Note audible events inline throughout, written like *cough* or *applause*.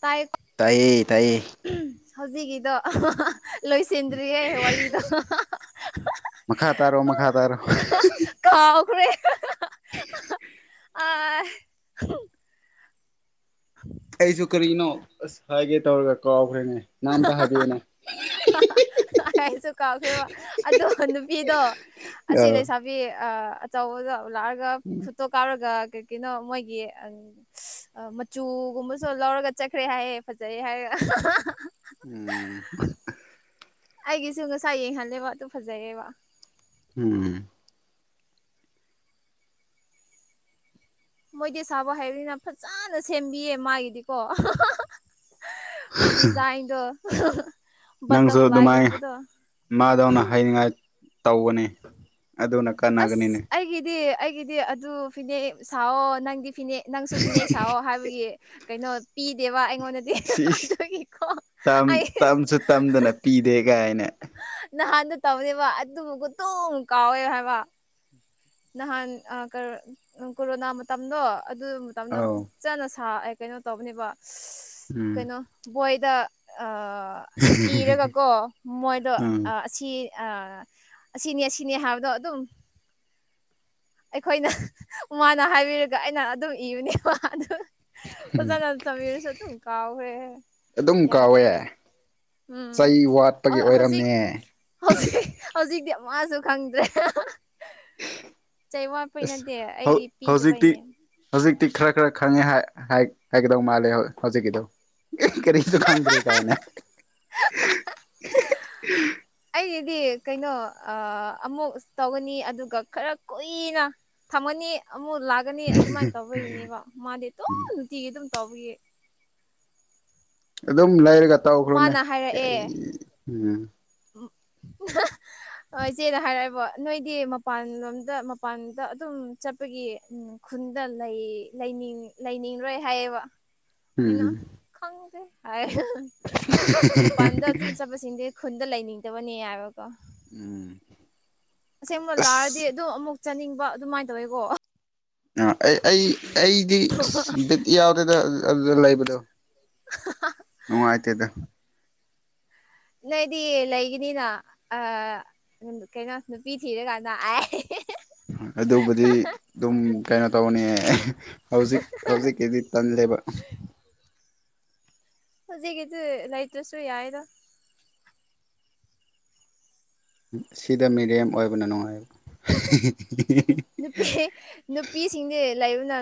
ꯇꯥꯏ ꯇꯥꯏ ꯇꯥꯏ ꯍꯧꯖꯤꯛꯀꯤꯗꯣ ꯂꯣꯏꯁꯤꯟꯗ꯭ꯔꯤꯌꯦ ꯋꯥꯔꯤꯗꯣ ꯃꯈꯥ ꯇꯥꯔꯣ ꯃꯈꯥ ꯇꯥꯔꯣ ꯀꯥꯎꯈ꯭ꯔꯦ ꯑꯏ *unintelligible* ꯑꯩꯁꯨ ꯀꯔꯤꯅꯣ ꯑꯁ ꯍꯥꯏꯒꯦ ꯇꯧꯔꯒ ꯀꯥꯎꯈ꯭ꯔꯦꯅꯦ ꯅꯪ ꯑꯝꯇ ꯍꯥꯏꯕꯤꯌꯨꯅꯦ ꯑꯥꯏꯁꯨ ꯀꯥꯎꯈ꯭ꯔꯦꯕ ꯑꯗꯣ ꯅꯨꯄꯤꯗꯣ ꯑ ꯑꯁꯤ ꯂꯩꯁꯥꯕꯤ ꯑ ꯑꯆꯧꯕꯗ ꯂꯥꯛꯑꯒ ꯈꯨꯠꯇꯣꯛ ꯀꯥꯎꯔꯒ ꯀꯩ ꯀꯅꯣ ꯃꯣꯏꯒꯤ ꯃꯆꯨꯒꯨꯝꯕꯁꯨ ꯂꯧꯔꯒ ꯆꯠꯈ꯭ꯔꯦ ꯍꯥꯏꯌꯦ ꯐꯖꯩ ꯍꯥꯏꯔꯒ ꯎꯝ ꯑꯩꯒꯤꯁꯨ ꯉꯁꯥꯏ ꯌꯦꯡꯍꯜꯂꯦꯕ ꯑꯗꯨ ꯐꯖꯩꯌꯦꯕ ꯎꯝ ꯃꯣꯏꯗꯤ ꯁꯥꯕ ꯍꯥꯏꯕꯅꯤꯅ ꯐꯖꯅ ꯁꯦꯝꯕꯤꯌꯦ ꯃꯥꯒꯤꯗꯤꯀꯣ ꯗꯤꯖꯥꯏꯟꯗꯣ ꯅꯪꯁꯨ ꯑꯗꯨꯃꯥꯏꯅ ꯕꯇꯔꯐ꯭ꯂꯥꯏꯒꯨꯝꯕꯗꯣ ꯃꯥꯗꯧꯅ ꯍꯥꯏꯅꯤꯡꯉꯥꯏ ꯇꯧꯕꯅꯤ ꯑꯗꯨꯅ ꯑꯁ ꯀꯥꯟꯅꯒꯅꯤꯅꯦ ꯑꯩꯒꯤꯗꯤ ꯑꯩꯒꯤꯗꯤ ꯑꯗꯨ ꯐꯤꯅꯦ ꯁꯥꯑꯣ ꯅꯪꯗꯤ ꯐꯤꯅ ꯅꯪꯁꯨ ꯐꯤꯅꯦꯛ ꯁꯥꯑꯣ ꯍꯥꯏꯕꯒꯤ ꯀꯩꯅꯣ ꯄꯤꯗꯦꯕ ꯑꯩꯉꯣꯟꯗ ꯁꯤ ꯇꯝꯁꯨ ꯇꯝꯗꯅ ꯄꯤꯗꯦ ꯀꯥꯏꯅ ꯅꯍꯥꯟꯗ ꯇꯧꯅꯦꯕ ꯑꯗꯨꯕꯨꯀꯇꯣꯡ ꯀꯥꯎꯋꯦꯕ ꯍꯥꯏꯕ ꯅꯍꯥꯟ ꯀꯣꯔꯣꯅꯥ ꯃꯇꯝꯗꯣ ꯑꯗꯨ ꯃꯇꯝꯗ ꯑꯧ ꯐꯖꯅ ꯁꯥ ꯑꯦ ꯀꯩꯅꯣ ꯇꯧꯕꯅꯦꯕ ꯎꯝ ꯀꯩꯅꯣ ꯕꯣꯏꯗ ꯏꯔꯒ ꯀꯣ ꯃꯣꯏꯗꯣ ꯎꯝ ꯑꯁꯤ ꯁꯤ ꯑꯁꯤꯅꯤ ꯁꯤꯅꯤ ꯍꯥꯏꯕꯗꯣ ꯑꯗꯨꯝ ꯑꯩꯈꯣꯏꯅ ꯃꯥꯅ ꯍꯥꯏꯕꯤꯔꯒ ꯑꯩꯅ ꯑꯗꯨꯝ ꯏꯕꯅꯦꯕ ꯑꯗꯨ ꯑꯣꯖꯥꯅ ꯆꯃꯤꯔꯁꯨ ꯑꯗꯨꯨ ꯀꯥꯎ ꯑꯗꯨꯝ ꯀꯥꯎꯋꯦ ꯌꯗꯦꯏꯩꯗꯤꯦ ꯎꯝ ꯆꯩ ꯋꯥꯠꯄꯒꯤ ꯍꯧꯖꯤꯛ ꯑꯣꯏꯔꯝꯅꯦ ꯍꯧꯖꯤꯛ ꯍꯧꯖꯤꯛꯇꯤ ꯃꯥꯁꯨ ꯈꯪꯗ꯭ꯔꯦ ꯆꯩ ꯋꯥꯠꯄꯩ ꯑꯁ ꯅꯠꯇꯦ ꯑꯩꯒꯤ ꯍꯧ-ꯍꯧꯖꯤꯛꯇꯤ ꯄꯤꯗꯕꯩꯅꯦ ꯍꯧꯖꯤꯛꯇꯤ ꯈꯔ ꯈꯔ ꯈꯪꯉꯦ ꯍꯥꯏꯒꯗꯧ ꯃꯥꯜꯂꯦ ꯍꯧꯖꯤꯛꯀꯤꯗꯣ ꯑꯦ ꯀꯔꯤꯁꯨ ꯈꯥꯟꯗ꯭ꯔꯦ ꯀꯥꯏꯅꯦ *unintelligible* *unintelligible* ꯑꯩꯒꯤꯗꯤ ꯀꯩꯅꯣ ꯑꯃꯨꯛ ꯇꯧꯒꯅꯤ ꯑꯗꯨꯒ ꯈꯔ ꯀꯨꯏꯅ ꯊꯝꯃꯅꯤ ꯑꯃꯨꯛ ꯂꯥꯛꯒꯅꯤ ꯑꯗꯨꯃꯥꯏꯅ ꯇꯧꯕꯒꯤꯅꯦꯕ ꯃꯥꯗꯤ ꯇꯣꯏ ꯅꯨꯡꯇꯤꯒꯤ ꯑꯗꯨꯝ ꯇꯧꯕꯌꯦ ꯑꯗꯨꯝ ꯂꯩꯔꯒ ꯇꯧꯈ꯭ꯔꯣꯅꯦ ꯃꯥꯅ ꯀꯔꯤ ꯎꯝ ꯎꯝ ꯏꯆꯦꯅ ꯍꯥꯏꯔꯛꯑꯦꯕꯣ ꯅꯣꯏꯗꯤ ꯃꯄꯥꯟꯂꯣꯝꯗ ꯃꯄꯥꯟꯗ ꯑꯗꯨꯝ ꯆꯠꯄꯒꯤ ꯎꯝ ꯈꯨꯟꯗ ꯂꯩ ꯂꯩꯅꯪ ꯂꯩꯅꯤꯡꯔꯣꯏ ꯍꯥꯏꯌꯦꯕ ꯎꯝ ꯏꯩꯅ ꯈꯪꯗꯦ ꯍꯥꯏ ꯃꯄꯥꯟꯗ ꯑꯗꯨꯝ ꯆꯠꯄꯁꯤꯡꯗꯤ ꯈꯨꯟꯗ ꯂꯩꯅꯤꯡꯗꯕꯅꯦ ꯍꯥꯏꯕꯀꯣ ꯎꯝ ꯑꯁꯦꯡꯕ ꯂꯥꯛꯔꯗꯤ ꯑꯁ ꯑꯗꯨꯝ ꯑꯃꯨꯛ ꯆꯥꯅꯤꯡꯕ ꯑꯗꯨꯃꯥꯏꯅ ꯇꯧꯋꯦꯀꯣ ꯑ ꯑꯩ-ꯑꯩ-ꯑꯩꯗꯤ ꯑꯁ ꯕꯤꯠ ꯌꯥꯎꯗꯦꯗ ꯑꯗꯨ ꯂꯩꯕꯗꯣ ꯅꯨꯡꯉꯥꯏꯇꯦꯗ ꯅꯣꯏꯗꯤ ꯂꯩꯒꯤꯅꯤꯅ ꯀꯩꯅꯣ ꯅꯨꯄꯤ ꯊꯤꯔꯀꯥꯟꯗ ꯑꯗꯨꯕꯨꯗꯤ ꯑꯗꯨꯝ ꯀꯩꯅꯣ ꯇꯧꯅꯤ ꯍꯧꯖꯤꯛ ꯍꯧꯖꯤꯛꯀꯤꯗꯤ ꯇꯜꯂꯦꯕ ꯍꯧꯖꯤꯛꯀꯤꯗꯤ ꯂꯩꯇ꯭ꯔꯁꯨ ꯌꯥꯏꯔ ꯁꯤꯗ ꯃꯤꯔꯦꯝ ꯑꯣꯏꯕꯅ ꯅꯨꯡꯉꯥꯏꯕ ꯅꯨꯄꯤ ꯅꯨꯄꯤꯁꯤꯡꯗꯤ ꯂꯩꯕꯅ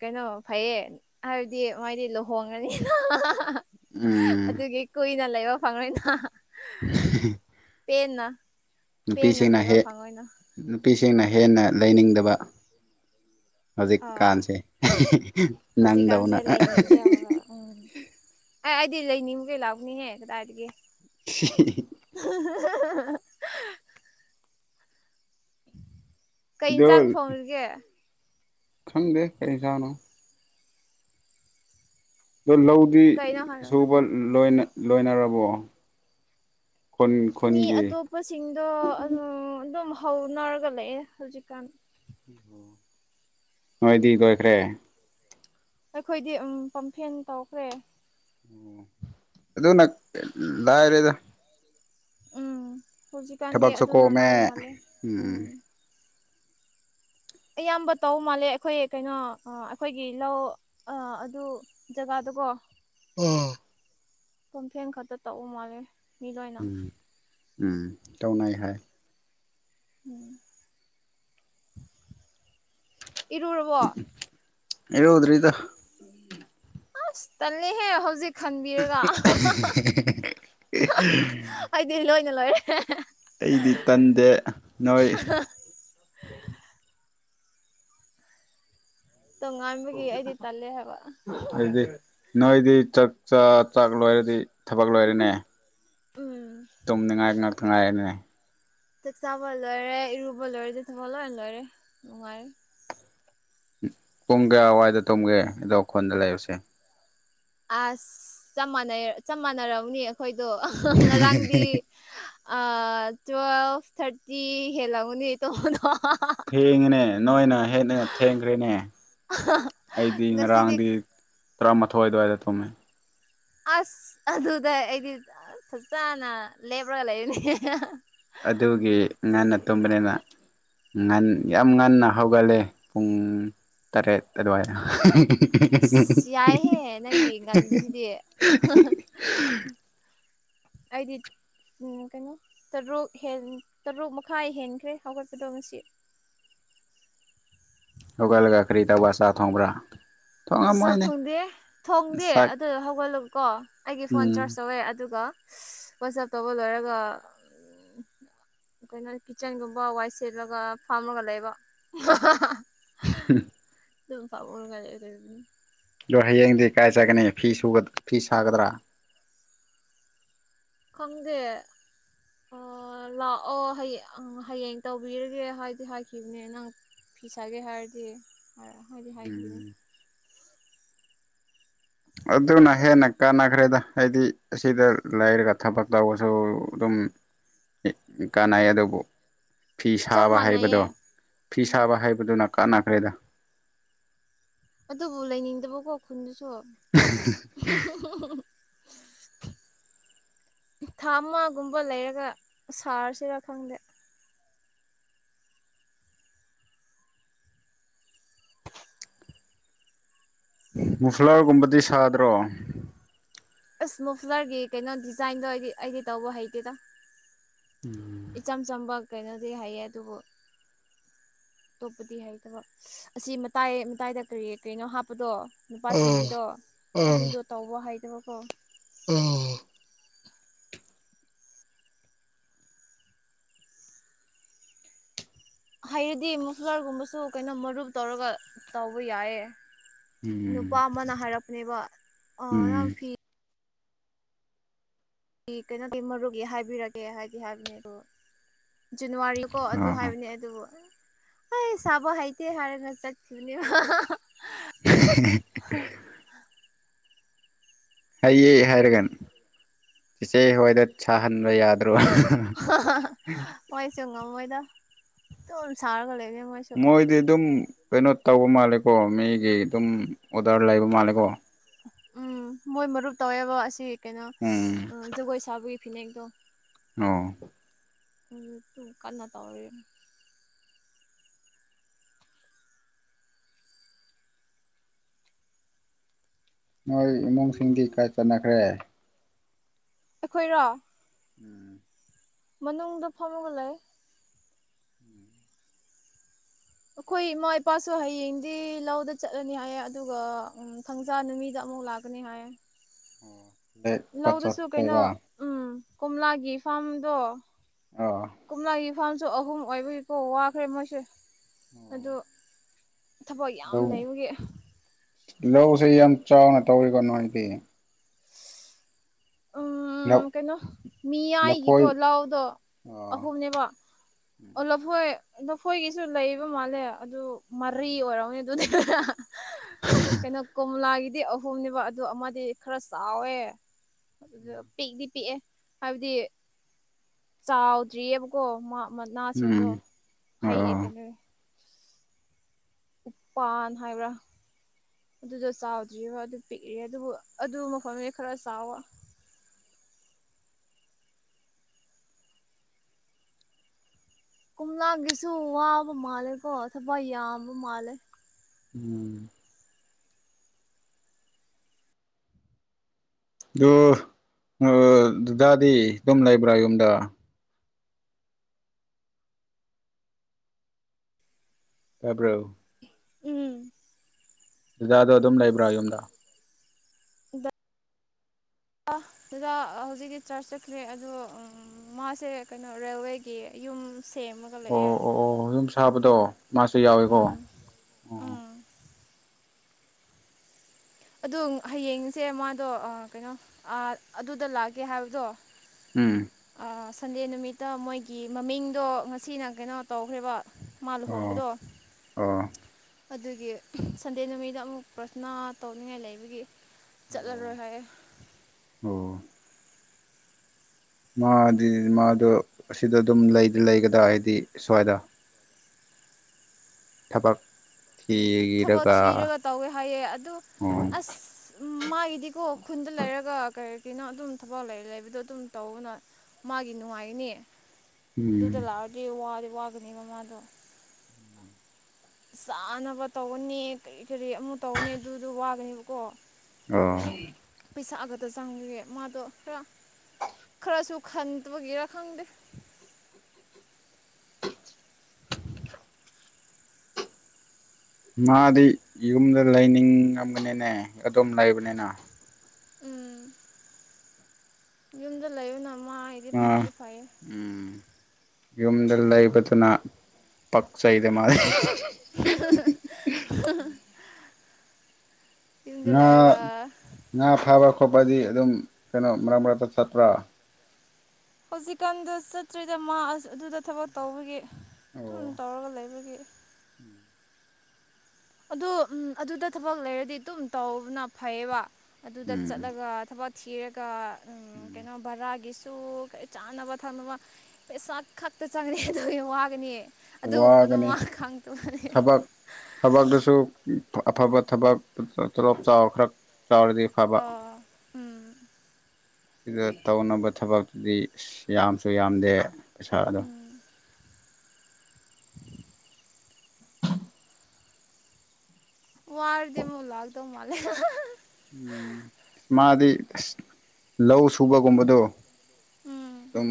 ꯀꯩꯅꯣ ꯐꯩꯌꯦ ꯍꯥꯏꯕꯗꯤ ꯃꯥꯏꯗꯤ ꯂꯨꯍꯣꯡꯉꯅꯤꯅ ꯎꯝ ꯑꯗꯨꯒꯤ ꯀꯨꯏꯅ ꯂꯩꯕ ꯐꯪꯉꯣꯏꯅ *unintelligible* *unintelligible* ꯄꯦꯟꯅ ꯅꯨꯄꯤꯁꯤꯡꯅ ꯂꯩꯕ ꯍꯦꯛ ꯐꯪꯉꯣꯏꯅ ꯅꯨꯄꯤꯁꯤꯡꯅ ꯍꯦꯟꯅ ꯂꯩꯅꯤꯡꯗꯕ ꯑꯥ ꯍꯧꯖꯤꯛꯀꯥꯟꯁꯦ ꯍꯧꯖꯤꯛꯀꯥꯟꯁꯦ ꯅꯪꯗꯧꯅ *unintelligible* ꯑꯦ ꯑꯩꯗꯤ ꯂꯩꯅꯤꯡꯃ ꯀꯩ ꯂꯥꯛꯅꯤꯅꯦ ꯀꯗꯥꯏꯗꯒꯤ *unintelligible* *unintelligible* ꯀꯩ ꯑꯗꯣ ꯏꯟꯁꯥꯡ ꯊꯣꯡꯉꯒꯦ ꯈꯪꯗꯦ ꯀꯩ ꯏꯁꯥꯡꯅꯣ ꯑꯗ ꯂꯧꯗꯤ ꯀꯩꯅꯣ ꯍꯥꯏꯔꯣ ꯁꯨꯕ ꯂꯣꯏꯅꯔꯕꯣ ꯈꯨꯟ ꯃꯤ ꯈꯨꯟꯒꯤ ꯑꯇꯣꯞꯄꯁꯤꯡꯗꯣ ꯑꯗꯨꯝ ꯍꯧꯅꯔꯒ ꯂꯩꯑꯦ ꯍꯧꯖꯤꯛꯀꯥꯟ ꯅꯣꯏꯗꯤ ꯂꯣꯏꯈ꯭ꯔꯦ ꯑꯩꯈꯣꯏꯗꯤ ꯄꯝꯐꯦꯟ ꯇꯧꯈ꯭ꯔꯦ ꯑꯣ ꯑꯗꯨꯅ ꯂꯥꯏꯔꯦꯗ ꯎꯝ ꯍꯧꯖꯤꯛꯀꯥꯟꯗꯤ ꯊꯕꯛꯁꯨ ꯑꯗꯨꯅ ꯀꯣꯝꯃꯦ ꯂꯥꯏꯌꯧ ꯃꯥꯜꯂꯦ ꯎꯝ ꯑꯌꯥꯝꯕ ꯇꯧ ꯃꯥꯜꯂꯦ ꯑꯩꯈꯣꯏ ꯀꯩꯅꯣ ꯑꯩꯈꯣꯏꯒꯤ ꯂꯧ ꯑꯗꯨ ꯖꯒꯥꯗꯨꯀꯣ *unintelligible* ꯈꯣꯟꯊꯦꯟ ꯈꯛꯇ ꯇꯩꯕ ꯃꯥꯜꯂꯦ ꯃꯤ ꯂꯣꯏꯅ ꯎꯝ ꯎꯝ ꯇꯧꯅꯥ ꯍꯥꯏ ꯏꯔꯨꯔꯕꯣ ꯏꯔꯨꯗ꯭ꯔꯤꯗ ꯑꯁ ꯇꯜꯂꯍꯦ ꯍꯧꯖꯤꯛ ꯈꯟꯕꯤꯔꯒ ꯑꯩꯗꯤ ꯂꯣꯏꯅ ꯂꯣꯏꯔꯦ ꯑꯩꯗꯤ ꯇꯟꯗꯦ ꯅꯣꯏ ꯇꯣꯉꯥꯟꯕꯒꯤ ꯑꯩꯗꯤ ꯇꯜꯂꯦ ꯍꯥꯏꯕ ꯑꯗꯨꯗꯤ ꯅꯣꯏꯗꯤ ꯆꯥꯛ ꯆ ꯆꯥꯛ ꯂꯣꯏꯔꯗꯤ ꯊꯕꯛ ꯂꯣꯏꯔꯦꯅꯦ ꯎꯝ ꯇꯨꯝꯅꯤꯡꯉꯥꯏ ꯉꯥꯛꯇ ꯉꯥꯏꯔꯦꯅꯦ ꯆꯥꯛ ꯆꯥꯕ ꯂꯣꯏꯔꯦ ꯏꯔꯨꯕ ꯂꯣꯏꯔꯦꯗꯤ ꯊꯕꯛ ꯂꯣꯏ ꯂꯣꯏꯔꯦ ꯅꯨꯡꯉꯥꯏꯔꯦ ꯄꯨꯡ ꯀꯌꯥꯋꯥꯏꯗ ꯇꯨꯝꯒꯦ ꯑꯗꯣ ꯑꯩꯈꯣꯟꯗ ꯂꯩꯔꯨꯁꯦ ꯑꯁ ꯆꯞ ꯃꯥꯟꯅꯩ ꯆꯞ ꯃꯥꯟꯅꯎꯅꯤ ꯑꯩꯈꯣꯏꯗꯣ ꯉꯔꯥꯡꯗꯤ ꯑ ꯇ꯭ꯋꯦꯜꯐ ꯊꯥꯔꯇꯤ ꯍꯦꯂꯒꯅꯤ ꯇꯨꯝꯕꯗꯣ ꯊꯦꯡꯉꯤꯅꯦ ꯅꯣꯏꯅ ꯍꯦꯟꯅ ꯊꯦꯡꯈ꯭ꯔꯦꯅꯦ ꯑꯩꯗꯤ ꯉꯁꯤꯗꯤ ꯉꯔꯥꯡꯗꯤ ꯇꯔꯥꯃꯥꯊꯣꯏ ꯑꯗꯨꯋꯥꯏꯗ ꯇꯨꯝꯃꯦ ꯑꯁ ꯑꯗꯨꯗ ꯑꯩꯗꯤ ꯐꯖꯥꯅ ꯂꯦꯞꯄꯒ ꯂꯩꯔꯅꯤ ꯑꯗꯨꯒꯤ ꯉꯟꯅꯥ ꯑꯇꯨꯝꯕꯅꯤꯅ ꯉꯟ ꯌꯥꯝ ꯉꯟꯅ ꯍꯧꯒꯠꯂꯦ ꯄꯨꯡ ꯇꯔꯦꯠ ꯑꯗꯨꯋꯥꯏꯗ ꯑꯁ ꯌꯥꯏꯍꯦ ꯅꯪꯒꯤ ꯉꯟꯕꯁꯤꯗꯤ ꯑꯩꯗꯤ ꯀꯩꯅꯣ ꯇꯔꯨꯛ ꯇꯔꯨꯛ ꯃꯈꯥꯏ ꯍꯦꯟꯈ꯭ꯔꯦ ꯍꯧꯒꯠꯄꯗꯣ ꯉꯁꯤ ꯍꯧꯒꯠꯂꯒ ꯀꯔꯤ ꯇꯧꯕ ꯆꯥ ꯊꯣꯡꯕ꯭ꯔꯥ ꯑ ꯆꯥꯛ ꯊꯣꯡꯉꯝꯃꯣꯏꯅꯦ ꯊꯣꯡꯗꯦ ꯊꯣꯡꯗꯦ ꯆꯥꯛ ꯑꯗꯨ ꯍꯧꯒꯠꯂꯒꯀꯣ ꯑꯩꯒꯤ ꯐꯣꯟ ꯎꯝ ꯆꯥꯔꯖ ꯇꯧꯋꯦ ꯑꯗꯨꯒ ꯋꯥꯆꯞ ꯇꯧꯕ ꯂꯣꯏꯔꯒ ꯎ ꯀꯩꯅꯣ ꯀꯤꯠꯆꯟꯒꯨꯝꯕ ꯋꯥꯏ ꯁꯦꯠꯂꯒ ꯐꯥꯝꯃꯒ ꯂꯩꯕ ꯑꯗꯨ ꯐꯝꯃꯒ *unintelligible* ꯑꯗꯣ ꯍꯌꯦꯡꯗꯤ ꯀꯥꯏ ꯆꯠꯒꯅꯤ ꯐꯤ ꯁꯨꯒ ꯐꯤ ꯁꯥꯒꯗ꯭ꯔꯥ ꯈꯪꯗꯦ ꯑ ꯂꯥꯛꯑꯣ ꯍꯌꯦꯡ ꯇꯧꯕꯤꯔꯒꯦ ꯍꯥꯏꯗꯤ ꯍꯥꯏꯈꯤꯕꯅꯦ ꯅꯪ ꯐꯤꯁꯥꯒꯦ ꯍꯥꯏꯔꯗꯤ ꯍꯣꯏꯗꯤ ꯍꯥꯏꯈꯤꯕꯅꯦ ꯎꯝ ꯑꯗꯨꯅ ꯈꯪꯗꯦ ꯍꯦꯟꯅ ꯀꯥꯟꯅꯈ꯭ꯔꯦꯗ ꯍꯥꯏꯗꯤ ꯑꯁꯤꯗ ꯂꯩꯔꯒ ꯊꯕꯛ ꯇꯧꯕꯁꯨ ꯑꯗꯨꯝ ꯀꯥꯟꯅꯩ ꯑꯗꯨꯕꯨ ꯐꯤ ꯆꯞ ꯁꯥꯕ ꯍꯩꯕꯗꯣ ꯃꯥꯟꯅꯩꯌꯦ ꯐꯤ ꯎꯝ ꯁꯥꯕ ꯍꯩꯕꯗꯨꯅ ꯀꯥꯟꯅꯈ꯭ꯔꯦꯗ ꯑꯗꯨꯕꯨ ꯂꯩꯅꯤꯡꯗꯕꯀꯣ ꯈꯨꯟꯗꯁꯨ *unintelligible* *unintelligible* ꯊꯥ ꯑꯃꯒꯨꯝꯕ ꯂꯩꯔꯒ ꯁꯥꯔꯁꯤꯔꯥ ꯈꯪꯗꯦ *inaudible* ꯃꯣꯐ꯭ꯂꯔꯒꯨꯝꯕꯗꯤ ꯁꯥꯗ꯭ꯔꯣ ꯑꯁ ꯃꯣꯐ꯭ꯂꯔꯒꯤ ꯀꯩꯅꯣ ꯗꯤꯖꯥꯏꯟꯗꯣ ꯑꯩꯗꯤ ꯑꯩꯗꯤ ꯇꯧꯕ ꯍꯩꯇꯦꯗ ꯏꯆꯝ ꯆꯝꯕ ꯀꯩꯅꯣꯗꯤ ꯍꯥꯏꯌꯦ ꯑꯗꯨꯕꯨ ꯑꯇꯣꯞꯄꯗꯤ ꯍꯩꯇꯕ ꯑꯁꯤ ꯃꯇꯥꯏ ꯃꯇꯥꯏꯗ ꯀꯔꯤ ꯀꯩꯅꯣ ꯍꯥꯞꯄꯗꯣ ꯑꯥ ꯅꯨꯄꯥꯁꯤꯡꯒꯤꯗꯣ ꯑꯗꯨꯗꯣ ꯇꯧꯕ ꯍꯥꯏꯗꯕꯀꯣ ꯑ ꯍꯩꯔꯗꯤ ꯃꯣꯐ꯭ꯂꯔꯒꯨꯝꯕꯁꯨ ꯀꯩꯅꯣ ꯃꯔꯨꯞ ꯇꯧꯔꯒ ꯇꯧꯕ ꯌꯥꯏꯌꯦ ꯅꯨꯄꯥ ꯎꯝ ꯑꯃꯅ ꯍꯥꯏꯔꯛꯄꯅꯦꯕ ꯑ ꯎꯝ ꯅꯪ ꯐꯤ ꯀꯩꯅꯣꯒꯤ ꯃꯔꯨꯒꯤ ꯍꯥꯏꯕꯤꯔꯒꯦ ꯍꯥꯏꯗꯤ ꯍꯥꯏꯕꯅꯦ ꯑꯗꯣ ꯖꯟꯋꯥꯔꯤ ꯀꯣ ꯑꯗꯨ ꯑ ꯍꯥꯏꯕꯅꯦ ꯑꯗꯨꯕꯨ ꯑꯩ ꯁꯥꯕ ꯍꯥꯏꯩꯇꯦ ꯍꯥꯏꯔꯒ ꯆꯠꯈꯤꯕꯅꯦ *unintelligible* *unintelligible* ꯍ ꯍꯩꯌꯦ ꯍꯥꯏꯔꯒꯟ ꯆꯦꯆꯦ ꯍꯣꯏꯗ ꯁꯥꯍꯟꯕ ꯌꯥꯗ꯭ꯔꯣ ꯃꯣꯏꯁꯨ ꯉꯝꯃꯣꯏꯗ ꯑꯗꯨꯨꯝ ꯁꯥꯔꯒ ꯂꯩꯒꯦ ꯃꯣꯏꯁꯨ ꯃꯣꯏꯗꯤ ꯑꯗꯨꯝ ꯀꯩꯅꯣ ꯇꯧꯕ ꯃꯥꯜꯂꯦꯀꯣ ꯃꯤꯒꯤ ꯑꯗꯨꯝ ꯑꯣꯗꯔ ꯂꯩꯕ ꯃꯥꯜꯂꯦꯀꯣ ꯎꯝ ꯃꯣꯏ ꯃꯔꯨꯞ ꯇꯧꯋꯦꯕ ꯑꯁꯤ ꯀꯩꯅꯣ ꯎꯝ ꯖꯒꯣꯏ ꯁꯥꯕꯒꯤ ꯐꯤꯅꯦꯛꯇꯣ ꯑꯣ ꯎꯝ ꯀꯟꯅ ꯇꯧꯔꯤ ꯅꯣꯏ ꯏꯃꯨꯡꯁꯤꯡꯗꯤ ꯀꯥꯏ ꯆꯠꯅꯈ꯭ꯔꯦ ꯑꯩꯈꯣꯏꯔꯣ ꯎꯝ ꯃꯅꯨꯡꯗ ꯐꯝꯃꯒ ꯂꯩ ꯑꯩꯈꯣꯏ ꯏꯃꯥ ꯏꯄꯥꯁꯨ ꯍꯌꯦꯡꯗꯤ ꯂꯧꯗ ꯆꯠꯂꯅꯤ ꯍꯥꯏꯌꯦ ꯑꯗꯨꯒ ꯎꯝ ꯊꯪꯖꯥ ꯅꯨꯃꯤꯗ ꯑꯃꯨꯛ ꯂꯥꯛꯀꯅꯤ ꯍꯥꯏꯌꯦ ꯑꯣ ꯂꯦꯛꯄ ꯂꯧꯗꯨꯁꯨ ꯀꯩꯅꯣ ꯆꯠꯇꯣꯏꯕ ꯎꯝ ꯀꯣꯝꯂꯥꯒꯤ ꯐꯥꯔꯝꯗꯣ ꯑꯣ ꯀꯣꯝꯂꯥꯒꯤ ꯐꯥꯔꯝꯁꯨ ꯑꯍꯨꯝ ꯑꯣꯏꯕꯒꯤꯀꯣ ꯋꯥꯈ꯭ꯔꯦ ꯃꯣꯏꯁꯦ ꯑꯗꯨ ꯊꯕꯛ ꯌꯥꯝ ꯂꯩꯕꯒꯤ ꯂꯧꯁ‌ꯦ ꯌꯥꯝ ꯆꯥꯎꯅ ꯇꯧꯔ‌ꯦꯀꯣ ꯅ‌ꫭꯉꯥꯏꯗꯤ *unintelligible* ꯎꯝ ꯀꯩꯅꯣ ꯂꯐꯣꯏ ꯃꯤꯌꯥꯏꯒꯤꯀꯣ ꯂꯧꯎꯗꯣ ꯑꯣ ꯑꯍꯨꯝꯅꯦꯕꯥ ꯎꯝ ꯑꯣ ꯂꯐꯣꯏ ꯂꯐꯣꯏꯒꯤꯁꯨ ꯂꯩꯕ ꯃꯥꯜꯂꯦ ꯑꯗꯨ ꯃꯔꯤ ꯑꯣꯏꯔꯝꯅꯤ ꯑꯗꯨꯗꯤ ꯀꯩꯅꯣ ꯀꯣꯝꯂꯥꯒꯤꯗꯤ ꯑꯍꯨꯝꯅꯦꯕ ꯑꯗꯨ ꯑꯃꯗꯤ ꯈꯔ ꯆꯥꯎꯋꯦ ꯑꯗꯨꯗ ꯄꯤꯛꯗꯤ ꯄꯤꯛꯑꯦ ꯍꯥꯏꯕꯗꯤ ꯆꯥꯎꯗ꯭ꯔꯤꯑꯕꯀꯣ ꯃꯅꯥꯁꯤꯡꯗꯣ ꯍꯩ ꯑꯦ ꯑꯣ ꯎꯄꯥꯟ ꯍꯥꯏꯕ꯭ꯔꯥ ꯑꯗꯨꯗ‌ꫭ ꯆꯥꯎꯗ꯭ꯔꯤꯕ ꯑꯗꯨ ꯄꯤꯛꯏꯌ‌ꯦ ꯑꯗꯨꯕꯨ ꯑꯗꯨ ꯃꯐꯝꯁ ꯈꯔ ꯆꯥꯎꯕ ꯀꯣꯝꯂꯥꯡꯒꯤꯁꯨ ꯋꯥꯕ ꯃꯥꯜꯂꯦꯀꯣ ꯊꯕꯛ ꯌꯥꯝꯕ ꯃꯥꯜꯂꯦ ꯎꯝ ꯑꯗꯨ ꯗꯥꯗꯤ ꯑꯗꯨꯝ ꯂꯩꯕ꯭ꯔꯥ ꯌꯨꯝꯗ ꯇꯥꯕ꯭ꯔꯣ ꯎꯝ ꯗꯥꯗꯗꯣ ꯑꯗꯨꯝ ꯂꯩꯕ꯭ꯔꯥ ꯌꯨꯝꯗꯥ ꯗꯥꯗ ꯍꯧꯖꯤꯛꯇꯤ ꯆ꯭ꯔꯁ ꯆꯠꯈ꯭ꯔꯦ ꯑꯗꯣ ꯃꯥꯁꯦ ꯀꯩꯅꯣ ꯔꯦꯜꯋꯦꯒꯤ ꯌꯨꯝ ꯁꯦꯃꯒꯥ ꯑꯣ ꯑꯣ ꯑꯣ ꯌꯨꯝ ꯁꯥꯕꯗꯣ ꯃꯥꯁꯨ ꯌꯥꯎꯏꯌ‌ꯦꯀꯣ ꯑꯥ... ꯑꯗꯨ ꯍꯌꯦꯡꯁꯦ ꯃꯗꯣ ꯑ ꯀꯩꯅꯣ ꯑ ꯑꯗꯨꯗ ꯂꯥꯛꯀꯦ ꯍꯥꯏꯕꯗꯣ ꯎꯝ ꯑ ꯁꯟꯗꯦ ꯅꯨꯃꯤꯠꯇ ꯃꯣꯏꯒꯤ ꯃꯃꯤꯡꯗꯣ ꯉꯁꯤꯅ ꯀꯩꯅꯣ ꯇꯧꯈ꯭ꯔꯦꯕꯥ ꯃꯥ ꯑꯣ ꯂꯨꯍꯣꯡꯕꯗꯣ ꯑꯗꯨꯒꯤ ꯁꯟꯗꯦ ꯅꯨꯃꯤꯠꯗ ꯑꯃꯨꯛ ꯄ꯭ꯔꯥꯁꯅꯥ ꯇꯧꯅꯤꯡꯉꯥꯏ ꯂꯩꯕꯒꯤ ꯑꯣ ꯆꯠꯂꯔꯣꯏ ꯍꯥꯏꯌ‌ꯦ ꯑꯣ ꯃꯥꯗꯤ ꯃꯥꯗꯣ ꯑꯁꯤꯗ ꯑꯗꯨꯝ ꯂꯩꯗꯤ ꯂꯩꯒꯗ꯭ꯔꯥ ꯍꯥꯏꯗꯤ ꯁ꯭ꯋꯥꯏꯗ ꯊꯕꯛ *inaudible* ꯊꯕꯛ ꯊꯤꯔꯒ ꯇꯧꯋꯦ ꯍꯥꯏꯌꯦ ꯑꯗꯨ ꯑꯣ ꯑꯁ ꯃꯥꯒꯤꯗꯤꯀꯣ ꯈꯨꯟꯗ ꯂꯩꯔꯒ ꯀꯔꯤꯒꯤꯅꯣ ꯑꯗꯨꯝ ꯊꯕꯛ ꯂꯩ ꯂꯩꯕꯗꯣ ꯑꯗꯨꯝ ꯇꯧꯕꯅꯥ ꯃꯒꯤ ꯅꯨꯡꯉꯥꯏꯅꯤ ꯑꯗꯨꯗ ꯎꯝ ꯂꯥꯛꯑꯗꯤ ꯋꯤꯗꯤ ꯋꯥꯒꯅꯦꯕ ꯃꯥꯗꯣ ꯆꯥꯅꯕ ꯇꯧꯒꯅꯤ ꯀꯔꯤ ꯀꯔꯤ ꯑꯃꯨ ꯇꯧꯅꯤ ꯑꯗꯨꯗꯣ ꯋꯥꯒꯅꯦꯕꯀꯣ ꯑꫭ ꯄꯩꯁꯥꯒꯗꯣ ꯆꯪꯉꯦ ꯃꯗꯣ ꯈꯔ ꯈꯔꯁꯨ ꯈꯟꯇꯨꯒꯤꯔꯥ ꯈꯪꯗꯦ ꯃꯗꯤ ꯌꯨꯝꯗ ꯂꯩꯅꯤꯡꯉꯝꯒꯅꯤꯅꯦ ꯑꯗꯨꯝ ꯂꯩꯕꯅꯤꯅ ꯎꯝ ꯌꯨꯝꯗ ꯂꯩꯕꯅ ꯃꯥꯏꯗꯤ ꯑ ꯐꯩꯗꯤ ꯐꯩꯏꯌꯦ ꯎꯝ ꯌꯨꯝꯗ ꯂꯩꯕꯗꯨꯅ ꯄꯛꯆꯩꯗ ꯃꯗꯤ *unintelligible* ꯉꯥ ꯂꯩꯔꯒ ꯉꯥꯐꯥꯕ ꯈꯣꯠꯄꯗꯤ ꯑꯗꯨꯝ ꯀꯩꯅꯣ ꯃꯔꯛ ꯃꯔꯛꯇ ꯆꯠꯄ꯭ꯔꯥ ꯍꯧꯖꯤꯛꯀꯥꯟꯗ ꯆꯠꯇ꯭ꯔ‌ꯦꯗ ꯃꯥ ꯑꯗꯨꯗ ꯊꯕꯛ ꯇꯧꯕꯒꯤ ꯑꯗꯨꯝ ꯑꯣ ꯇꯧꯔꯒ ꯂꯩꯕꯒꯤ *inaudible* ꯑꯗꯨ ꯎꯝ ꯑꯗꯨꯗ ꯊꯕꯛ ꯂꯩꯔꯗꯤ ꯑꯗꯨꯨꯝ ꯇꯧꯅ ꯐꯩꯌꯦꯕ ꯑꯗꯨꯗ ꯎꯝ ꯆꯠꯂꯒ ꯊꯕꯛ ꯊꯤꯔꯒ ꯎꯝ ꯀꯩꯅꯣ ꯕꯔꯥꯒꯤꯁꯨ ꯆꯥꯅꯕ ꯊꯛꯅꯥꯕ ꯄꯩꯁꯥ ꯈꯛꯇ ꯆꯪꯅꯤ ꯑꯗꯨꯒꯤ ꯋꯥꯒꯅꯤ ꯑꯗꯨꯒꯨꯝꯕꯗꯣ ꯋꯥꯒꯅꯤ ꯃꯥ ꯈꯪꯇ ꯃꯥꯜꯂ‌ꯦ ꯊꯕꯛꯇꯨꯁꯨ ꯑꯐꯕ ꯊꯕꯛ ꯇꯣꯂꯣꯞ ꯆꯥꯎꯕ ꯈꯔ ꯆꯥꯎꯔꯗꯤ ꯐꯕ ꯑꯥꯥ ꯎꯝ ꯁꯤꯗ ꯇꯧꯅꯕ ꯊꯕꯛꯇꯨꯗꯤ ꯑꯁ ꯌꯥꯝꯁꯨ ꯌꯥꯝꯗꯦ ꯄꯩꯁꯥ ꯑꯗꯣ ꯋꯥꯔꯗꯤ ꯑꯃꯨꯛ ꯂꯥꯛꯇꯧ ꯃꯥꯜꯂꯦ ꯍꯍ ꯍꯥ ꯍꯍ ꯎꯝ ꯃꯥꯗꯤ ꯑꯁ ꯂꯧꯁꯨꯕ ꯒꯨꯝꯕꯗꯣ ꯎꯝ ꯑꯗꯨꯝ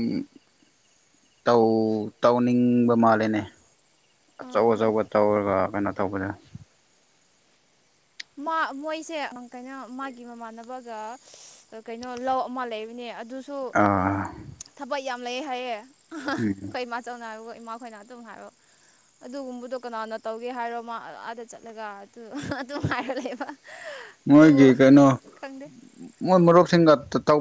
ꯇꯧ ꯇꯧꯅꯤꯡꯕ ꯃꯥꯜꯂꯦꯅꯦ ꯑꯆꯧ ꯎꯝ ꯑꯆꯧꯕ ꯇꯧꯔꯒ ꯀꯩꯅꯣ ꯇꯧꯕꯗ ꯃꯥ ꯃꯣꯏꯁꯦ ꯑꯪ ꯀꯩꯅꯣ ꯃꯥꯒꯤ ꯃꯃꯥꯟꯅꯕꯒ ꯁꯁ ꯑꯥ ꯀꯩꯅꯣ ꯂꯧ ꯑꯃ ꯂꯩꯕꯅꯦ ꯑꯗꯨ ꯁꯨ ꯑꯥ ꯊꯕꯛ ꯌꯥꯝ ꯂꯩ ꯍꯥꯏꯌꯦ ꯑꯍꯥ ꯍꯥ ꯎꯝ ꯑꯩꯈꯣꯏ ꯃꯥ ꯆꯧꯅ ꯍꯥꯏꯕꯒꯣ ꯏꯃꯥ ꯈꯣꯏꯅ ꯑꯗꯨꯝ ꯍꯥꯏꯕ ꯑꯗꯨꯒꯨꯝꯕꯗꯣ ꯀꯅꯥꯅ ꯇꯧꯒꯦ ꯍꯥꯏꯔꯣ ꯃꯥ ꯑꯥꯗ ꯆꯠꯂꯒ ꯑꯗꯨ ꯑꯍ ꯑꯗꯨꯝ ꯍꯥꯏꯔ ꯂꯩꯕ ꯑꯗꯨꯕꯨ ꯃꯣꯏꯒꯤ ꯀꯩꯅꯣ ꯈꯪꯗꯦ ꯃꯣꯏ ꯃꯔꯨꯞꯁꯤꯡꯒ ꯇ ꯇꯧ